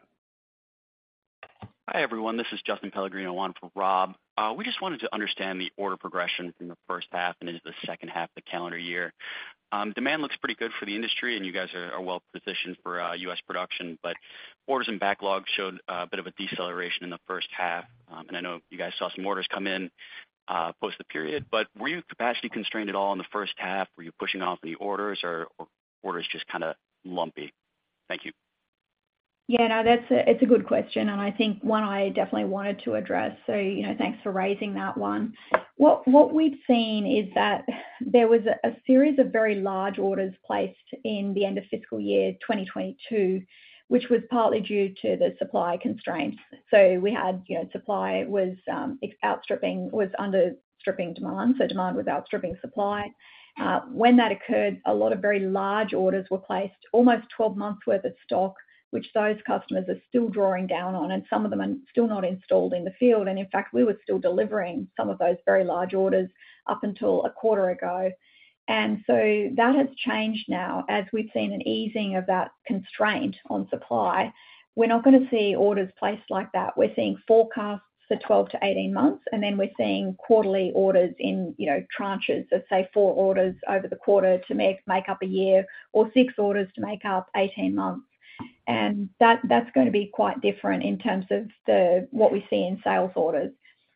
Hi, everyone. This is Justin Pellegrino, one for Rob. We just wanted to understand the order progression from the first half and into the second half of the calendar year. Demand looks pretty good for the industry, and you guys are, are well positioned for U.S. production, but orders and backlogs showed a bit of a deceleration in the first half. I know you guys saw some orders come in post the period, but were you capacity constrained at all in the first half? Were you pushing off any orders, or orders just kinda lumpy? Thank you. Yeah, no, that's a good question, and I think one I definitely wanted to address. So, you know, thanks for raising that one. What we've seen is that there was a series of very large orders placed in the end of fiscal year 2022, which was partly due to the supply constraints. So we had, you know, demand was outstripping supply. When that occurred, a lot of very large orders were placed, almost 12 months worth of stock, which those customers are still drawing down on, and some of them are still not installed in the field. And in fact, we were still delivering some of those very large orders up until a quarter ago. And so that has changed now. As we've seen an easing of that constraint on supply, we're not gonna see orders placed like that. We're seeing forecasts for 12-18 months, and then we're seeing quarterly orders in, you know, tranches of, say, four orders over the quarter to make up a year or six orders to make up 18 months. And that, that's gonna be quite different in terms of the, what we see in sales orders.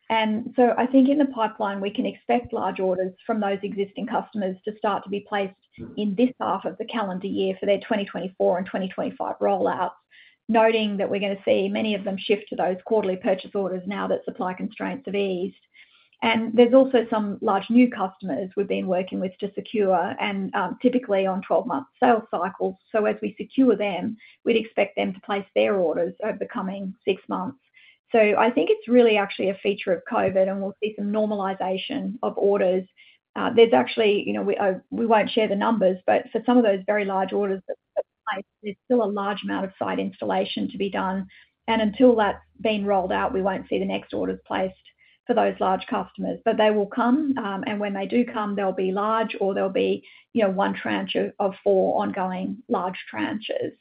And so I think in the pipeline, we can expect large orders from those existing customers to start to be placed in this half of the calendar year for their 2024 and 2025 rollouts, noting that we're gonna see many of them shift to those quarterly purchase orders now that supply constraints have eased. And there's also some large new customers we've been working with to secure and, typically on 12-month sales cycles. So as we secure them, we'd expect them to place their orders over the coming six months. So I think it's really actually a feature of COVID, and we'll see some normalization of orders. There's actually, you know, we won't share the numbers, but for some of those very large orders there's still a large amount of site installation to be done, and until that's been rolled out, we won't see the next orders placed for those large customers. But they will come, and when they do come, they'll be large or they'll be, you know, one tranche of four ongoing large tranches.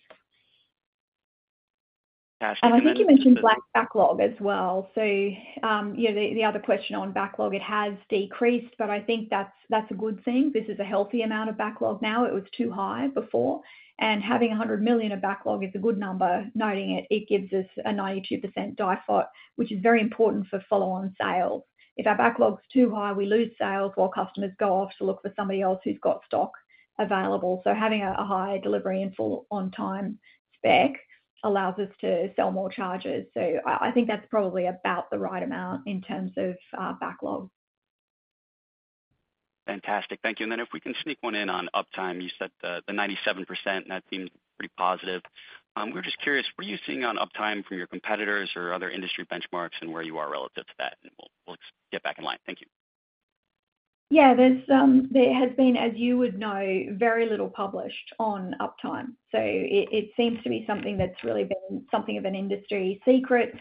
Actually- I think you mentioned book backlog as well. So, you know, the other question on backlog, it has decreased, but I think that's a good thing. This is a healthy amount of backlog now. It was too high before, and having $100 million of backlog is a good number, noting it. It gives us a 92% DIFOT, which is very important for follow-on sales. If our backlog's too high, we lose sales or customers go off to look for somebody else who's got stock available. So having a high delivery and full on time spec allows us to sell more chargers. So I think that's probably about the right amount in terms of backlog. Fantastic. Thank you. Then if we can sneak one in on uptime, you said the 97%, and that seems pretty positive. We're just curious, what are you seeing on uptime for your competitors or other industry benchmarks and where you are relative to that? We'll get back in line. Thank you. Yeah, there has been, as you would know, very little published on uptime, so it seems to be something that's really been something of an industry secret.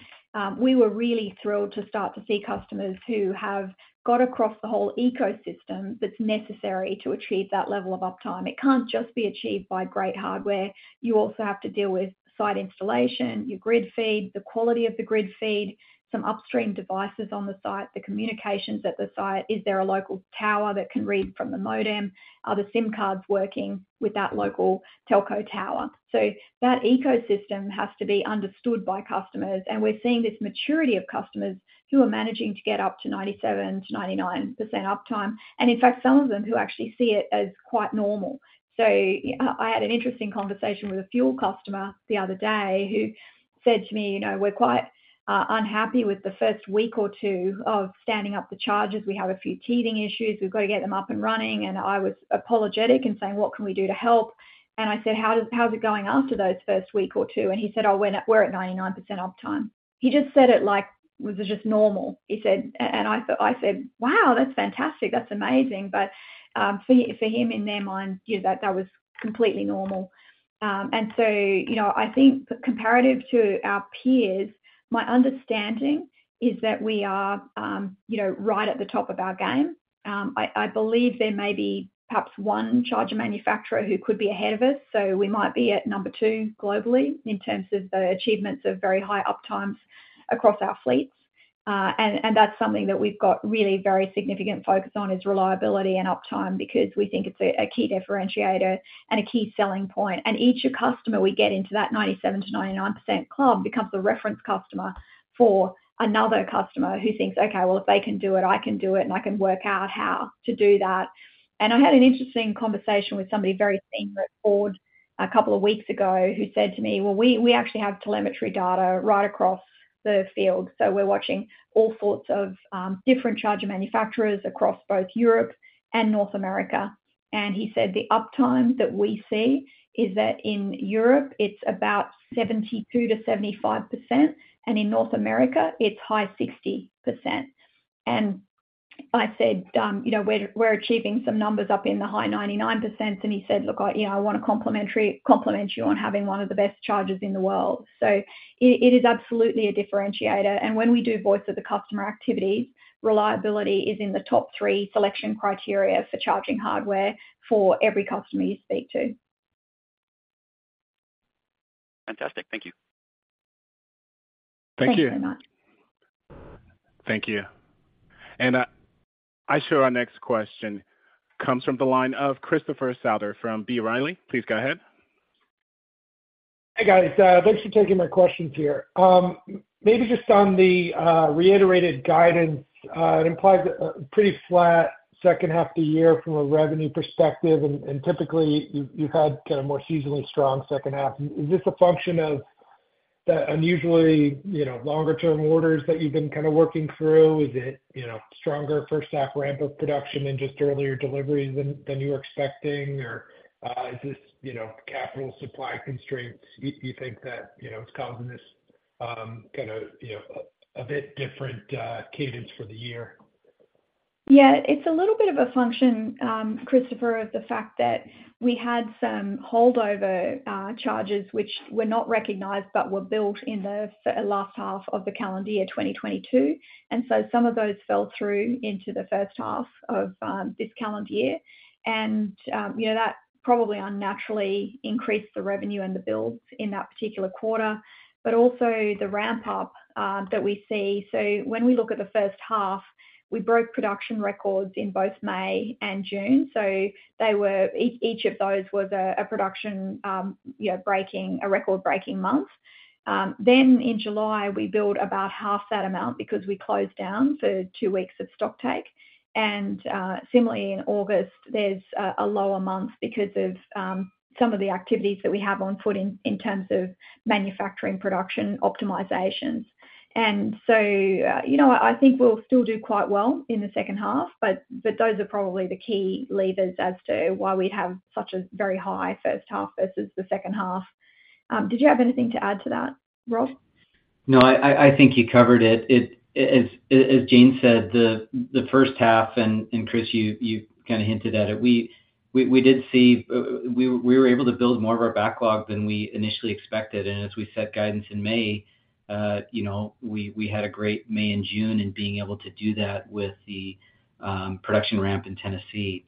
We were really thrilled to start to see customers who have got across the whole ecosystem that's necessary to achieve that level of uptime. It can't just be achieved by great hardware. You also have to deal with site installation, your grid feed, the quality of the grid feed, some upstream devices on the site, the communications at the site. Is there a local tower that can read from the modem? Are the SIM cards working with that local telco tower? So that ecosystem has to be understood by customers, and we're seeing this maturity of customers who are managing to get up to 97%-99% uptime, and in fact, some of them who actually see it as quite normal. So I had an interesting conversation with a fuel customer the other day who said to me, "You know, we're quite unhappy with the first week or two of standing up the charges. We have a few teething issues. We've got to get them up and running." And I was apologetic and saying: What can we do to help? And I said, "How is it going after those first week or two?" And he said, "Oh, we're at, we're at 99% uptime." He just said it like was just normal. He said... and I said, "Wow, that's fantastic. That's amazing!" But, for, for him, in their mind, you know, that, that was completely normal. And so, you know, I think comparative to our peers, my understanding is that we are, you know, right at the top of our game. I, I believe there may be perhaps one charger manufacturer who could be ahead of us, so we might be at number two globally in terms of the achievements of very high uptimes across our fleets. And, and that's something that we've got really very significant focus on, is reliability and uptime, because we think it's a, a key differentiator and a key selling point. Each customer we get into that 97%-99% club becomes a reference customer for another customer who thinks, "Okay, well, if they can do it, I can do it, and I can work out how to do that." I had an interesting conversation with somebody very senior at Ford a couple of weeks ago who said to me, "Well, we, we actually have telemetry data right across the field, so we're watching all sorts of, different charger manufacturers across both Europe and North America." He said, "The uptime that we see is that in Europe it's about 72%-75%, and in North America it's high 60%." I said, "You know, we're, we're achieving some numbers up in the high 99%." He said, "Look, I, you know, I want to compliment you on having one of the best chargers in the world." It is absolutely a differentiator, and when we do voice of the customer activities, reliability is in the top three selection criteria for charging hardware for every customer you speak to. Fantastic. Thank you. Thank you. Thanks very much. Thank you. I show our next question comes from the line of Christopher Souther, from B. Riley. Please go ahead. Hey, guys, thanks for taking my questions here. Maybe just on the reiterated guidance. It implies a pretty flat second half of the year from a revenue perspective, and typically, you've had kind of more seasonally strong second half. Is this a function of the unusually, you know, longer-term orders that you've been kind of working through? Is it, you know, stronger first half ramp of production and just earlier deliveries than you were expecting? Or is this, you know, capital supply constraints, you think that, you know, it's causing this kind of, you know, a bit different cadence for the year? Yeah, it's a little bit of a function, Christopher, of the fact that we had some holdover, charges which were not recognized but were built in the last half of the calendar year, 2022. And so some of those fell through into the first half of this calendar year. And, you know, that probably unnaturally increased the revenue and the builds in that particular quarter, but also the ramp up that we see. So when we look at the first half, we broke production records in both May and June, so they were... Each, each of those was a production, you know, breaking, a record-breaking month. Then in July, we built about half that amount because we closed down for two weeks of stock take. Similarly, in August, there's a lower month because of some of the activities that we have on foot in terms of manufacturing, production, optimizations. And so, you know, I think we'll still do quite well in the second half, but those are probably the key levers as to why we'd have such a very high first half versus the second half. Did you have anything to add to that, Rob? No, I think you covered it. As Jane said, the first half, and Chris, you kind of hinted at it, we did see, we were able to build more of our backlog than we initially expected, and as we set guidance in May, you know, we had a great May and June in being able to do that with the production ramp in Tennessee.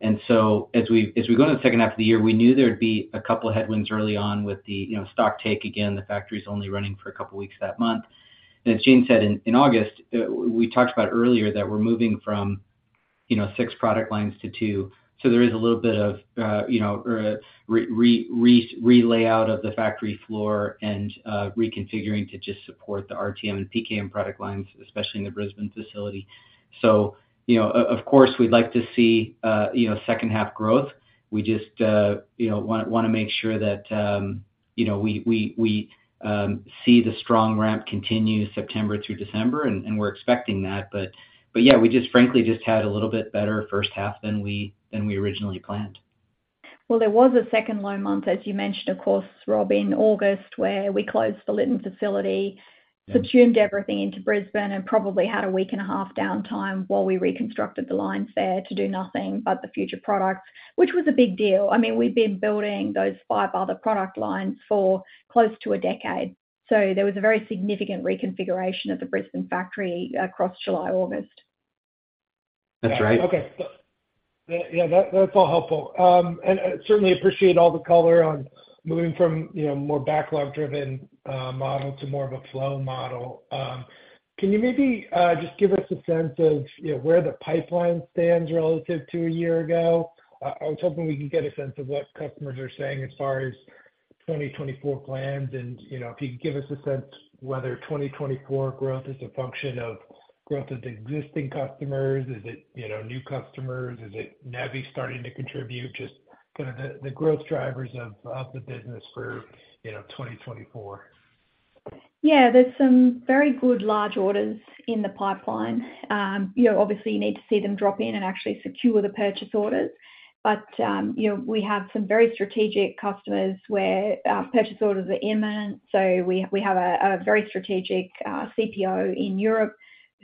And so as we go to the second half of the year, we knew there'd be a couple of headwinds early on with the, you know, stock take again, the factory's only running for a couple of weeks that month. And as Jane said in August, we talked about earlier that we're moving from, you know, six product lines to two, so there is a little bit of, you know, relayout of the factory floor and reconfiguring to just support the RTM and PKM product lines, especially in the Brisbane facility. So, you know, of course, we'd like to see, you know, second half growth. We just, you know, wanna make sure that, you know, we see the strong ramp continue September through December, and we're expecting that. But yeah, we just frankly just had a little bit better first half than we originally planned. Well, there was a second low month, as you mentioned, of course, Rob, in August, where we closed the Lytton facility subsumed everything into Brisbane, and probably had a week and a half downtime while we reconstructed the lines there to do nothing but the future products, which was a big deal. I mean, we've been building those five other product lines for close to a decade, so there was a very significant reconfiguration of the Brisbane factory across July, August. That's right. Okay. So yeah, that, that's all helpful. And I certainly appreciate all the color on moving from, you know, a more backlog-driven model to more of a flow model. Can you maybe just give us a sense of, you know, where the pipeline stands relative to a year ago? I was hoping we could get a sense of what customers are saying as far as 2024 plans, and, you know, if you could give us a sense whether 2024 growth is a function of growth of existing customers, is it, you know, new customers? Is it NEVI starting to contribute? Just kind of the growth drivers of the business for, you know, 2024. Yeah, there's some very good large orders in the pipeline. You know, obviously, you need to see them drop in and actually secure the purchase orders. But, you know, we have some very strategic customers where purchase orders are imminent. We have a very strategic CPO in Europe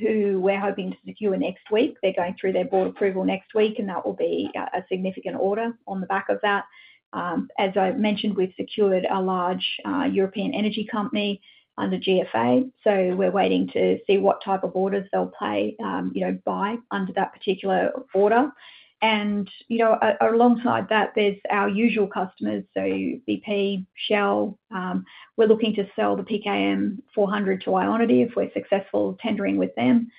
who we're hoping to secure next week. They're going through their board approval next week, and that will be a significant order on the back of that. As I've mentioned, we've secured a large European energy company under GFA, so we're waiting to see what type of orders they'll play, you know, buy under that particular order. You know, alongside that, there's our usual customers, so BP Pulse, Shell. We're looking to sell the PKM400 to IONITY if we're successful tendering with them.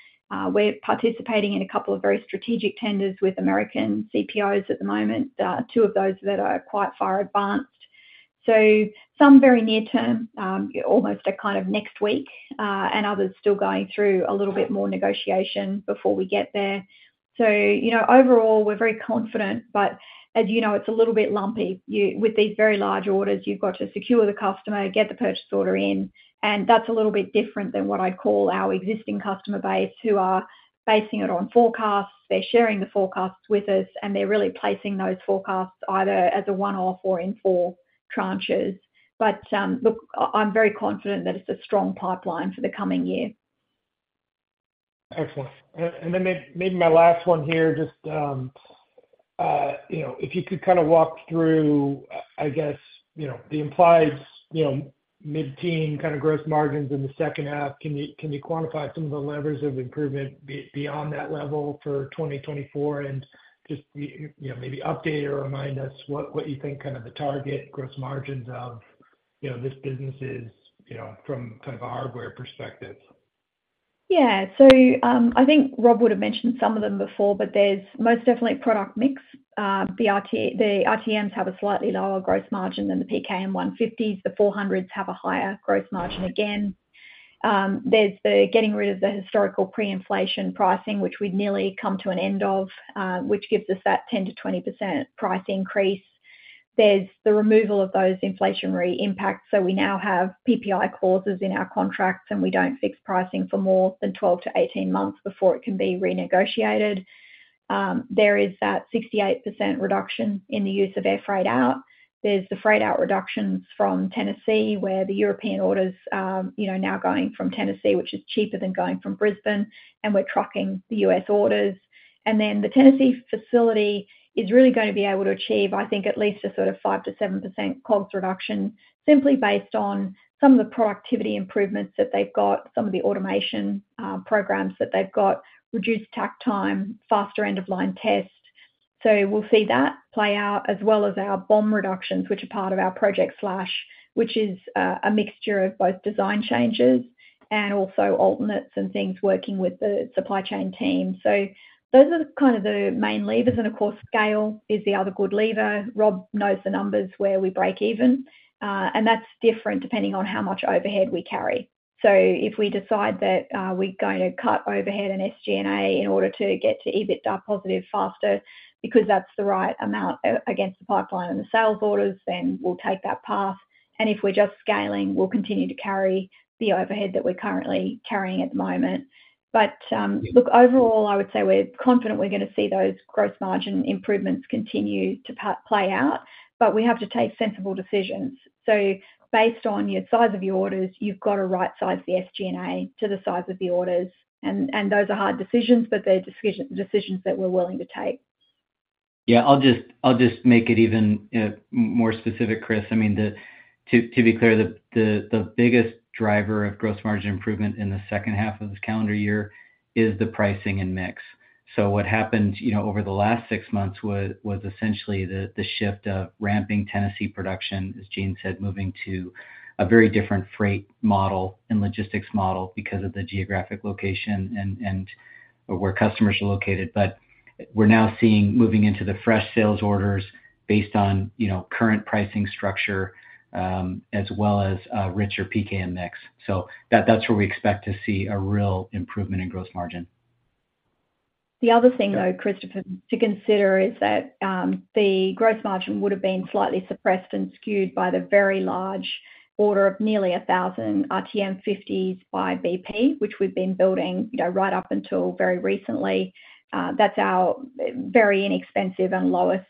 We're participating in a couple of very strategic tenders with American CPOs at the moment, two of those that are quite far advanced. So some very near term, almost a kind of next week, and others still going through a little bit more negotiation before we get there. So, you know, overall, we're very confident, but as you know, it's a little bit lumpy. With these very large orders, you've got to secure the customer, get the purchase order in, and that's a little bit different than what I'd call our existing customer base, who are basing it on forecasts, they're sharing the forecasts with us, and they're really placing those forecasts either as a one-off or in four tranches. But, look, I'm very confident that it's a strong pipeline for the coming year. Excellent. And then maybe my last one here, just, you know, if you could kind of walk through, I guess, you know, the implied, you know, mid-teen kind of gross margins in the second half. Can you quantify some of the levers of improvement beyond that level for 2024, and just, you know, maybe update or remind us what you think kind of the target gross margins of, you know, this business is, you know, from kind of a hardware perspective? Yeah. So, I think Rob would have mentioned some of them before, but there's most definitely product mix. The RT, the RTMs have a slightly lower gross margin than the PKM150s. The PKM400s have a higher gross margin again. There's the getting rid of the historical pre-inflation pricing, which we've nearly come to an end of, which gives us that 10%-20% price increase. There's the removal of those inflationary impacts, so we now have PPI clauses in our contracts, and we don't fix pricing for more than 12 months-18 months before it can be renegotiated. There is that 68% reduction in the use of air freight out. There's the freight out reductions from Tennessee, where the European orders, you know, are now going from Tennessee, which is cheaper than going from Brisbane, and we're trucking the U.S. orders. And then the Tennessee facility is really going to be able to achieve, I think, at least a sort of 5%-7% cost reduction simply based on some of the productivity improvements that they've got, some of the automation, programs that they've got, reduced Takt time, faster end-of-line tests. So we'll see that play out, as well as our BOM reductions, which are part of our Project Slash, which is, a mixture of both design changes and also alternates and things working with the supply chain team. So those are kind of the main levers, and of course, scale is the other good lever. Rob knows the numbers where we break even, and that's different depending on how much overhead we carry. So if we decide that, we're going to cut overhead and SG&A in order to get to EBITDA positive faster because that's the right amount against the pipeline and the sales orders, then we'll take that path. And if we're just scaling, we'll continue to carry the overhead that we're currently carrying at the moment. But, look, overall, I would say we're confident we're going to see those gross margin improvements continue to play out, but we have to take sensible decisions. So based on your size of the orders, you've got to rightsize the SG&A to the size of the orders, and, and those are hard decisions, but they're decisions that we're willing to take. Yeah, I'll just make it even more specific, Chris. I mean, to be clear, the biggest driver of gross margin improvement in the second half of this calendar year is the pricing and mix. So what happened, you know, over the last six months was essentially the shift of ramping Tennessee production, as Jane said, moving to a very different freight model and logistics model because of the geographic location and where customers are located. But we're now seeing moving into the fresh sales orders based on, you know, current pricing structure, as well as richer PKM mix. So that's where we expect to see a real improvement in gross margin. The other thing, though, Christopher, to consider is that the gross margin would have been slightly suppressed and skewed by the very large order of nearly 1,000 RTM50s by BP Pulse, which we've been building, you know, right up until very recently. That's our very inexpensive and lowest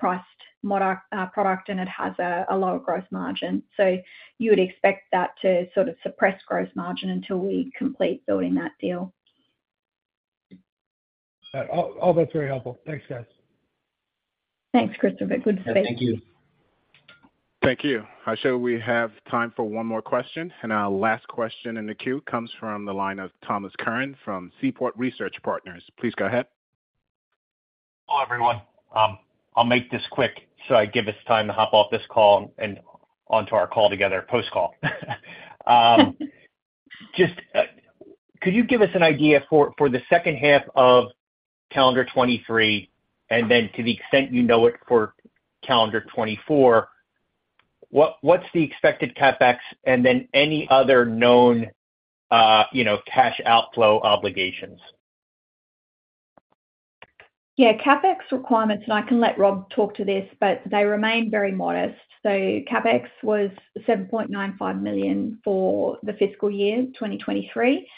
priced product, and it has a lower gross margin. So you would expect that to sort of suppress gross margin until we complete building that deal. All, all that's very helpful. Thanks, guys. Thanks, Christopher. Good to see you. Thank you. Thank you. I show we have time for one more question, and our last question in the queue comes from the line of Thomas Curran from Seaport Research Partners. Please go ahead. Hello, everyone. I'll make this quick, so I give us time to hop off this call and onto our call together, post-call. Just, could you give us an idea for the second half of calendar 2023, and then to the extent you know it for calendar 2024, what's the expected CapEx and then any other known, you know, cash outflow obligations? Yeah, CapEx requirements, and I can let Rob talk to this, but they remain very modest. So CapEx was $7.95 million for the fiscal year 2023.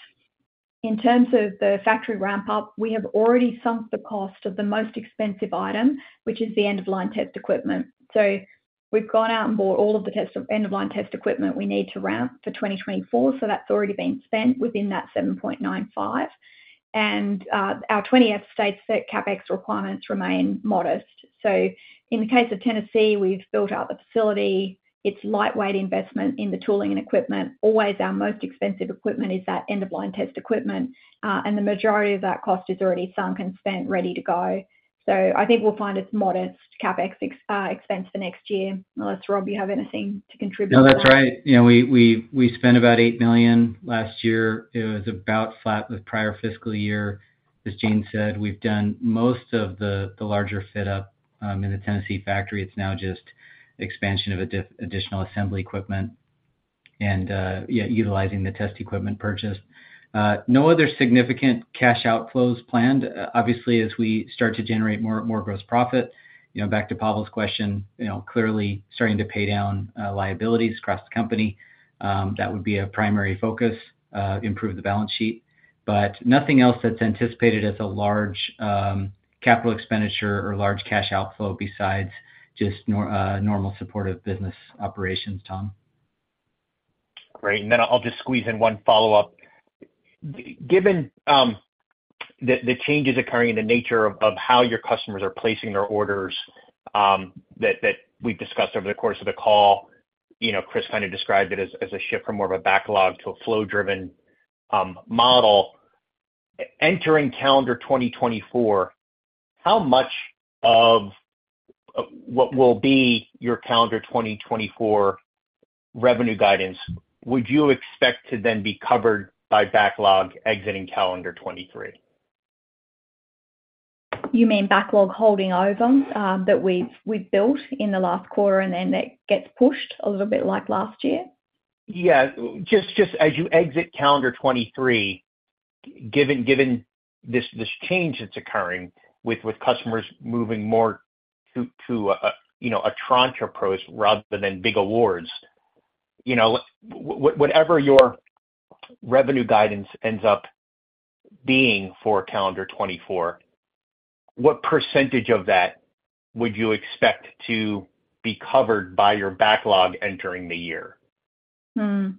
In terms of the factory ramp-up, we have already sunk the cost of the most expensive item, which is the end-of-line test equipment. So we've gone out and bought all of the test, end-of-line test equipment we need to ramp for 2024, so that's already been spent within that $7.95 million. And, our Form 20-F states that CapEx requirements remain modest. So in the case of Tennessee, we've built out the facility. It's lightweight investment in the tooling and equipment. Always our most expensive equipment is that end-of-line test equipment, and the majority of that cost is already sunk and spent ready to go. So I think we'll find it's modest CapEx, ex- expense for next year. Unless, Rob, you have anything to contribute? No, that's right. You know, we spent about $8 million last year. It was about flat with prior fiscal year. As Jane said, we've done most of the larger fit up in the Tennessee factory. It's now just expansion of additional assembly equipment and utilizing the test equipment purchased. No other significant cash outflows planned. Obviously, as we start to generate more gross profit, you know, back to Pavel's question, you know, clearly starting to pay down liabilities across the company, that would be a primary focus, improve the balance sheet. But nothing else that's anticipated as a large capital expenditure or large cash outflow besides just normal supportive business operations, Tom. Great. And then I'll just squeeze in one follow-up. Given the changes occurring in the nature of how your customers are placing their orders that we've discussed over the course of the call, you know, Chris kind of described it as a shift from more of a backlog to a flow-driven model. Entering calendar 2024, how much of what will be your calendar 2024 revenue guidance would you expect to then be covered by backlog exiting calendar 2023? You mean backlog holding over, uh, that we've, we've built in the last quarter, and then that gets pushed a little bit like last year? Yeah. Just as you exit calendar 2023, given this change that's occurring with customers moving more to, you know, a tranche approach rather than big awards, you know, whatever your revenue guidance ends up being for calendar 2024, what percentage of that would you expect to be covered by your backlog entering the year? Hmm.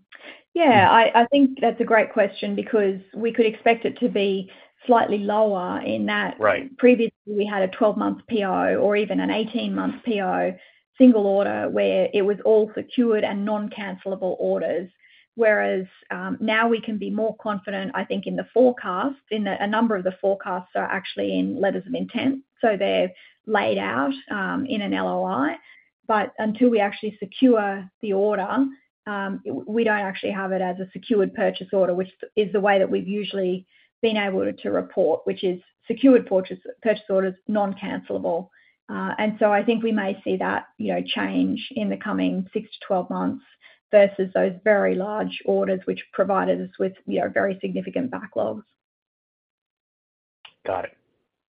Yeah, I, I think that's a great question because we could expect it to be slightly lower in that- Right. Previously we had a 12-month PO or even an 18-month PO single order, where it was all secured and non-cancelable orders. Whereas now we can be more confident, I think, in the forecast, in a number of the forecasts are actually in letters of intent, so they're laid out in an LOI. But until we actually secure the order, we don't actually have it as a secured purchase order, which is the way that we've usually been able to report, which is secured purchase purchase orders, non-cancelable. And so I think we may see that, you know, change in the coming six months to 12 months versus those very large orders, which provided us with, you know, very significant backlogs. Got it.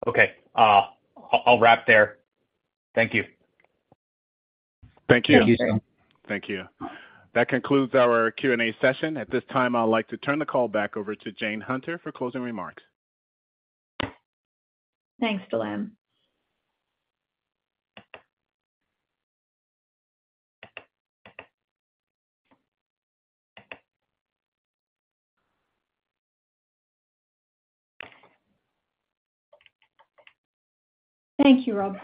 Okay, I'll wrap there. Thank you. Thank you. Thank you, sir. Thank you. That concludes our Q&A session. At this time, I'd like to turn the call back over to Jane Hunter for closing remarks. Thanks, Delam. Thank you, Rob.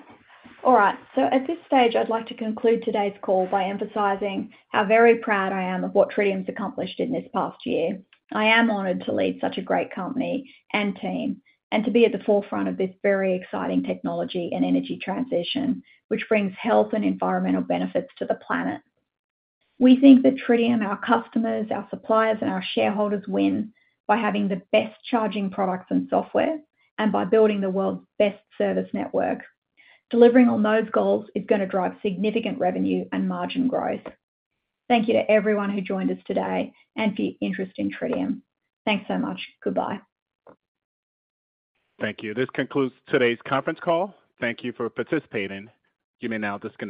All right, so at this stage, I'd like to conclude today's call by emphasizing how very proud I am of what Tritium's accomplished in this past year. I am honored to lead such a great company and team, and to be at the forefront of this very exciting technology and energy transition, which brings health and environmental benefits to the planet. We think that Tritium, our customers, our suppliers, and our shareholders win by having the best charging products and software, and by building the world's best service network. Delivering on those goals is gonna drive significant revenue and margin growth. Thank you to everyone who joined us today and for your interest in Tritium. Thanks so much. Goodbye. Thank you. This concludes today's conference call. Thank you for participating. You may now disconnect.